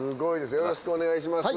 よろしくお願いします。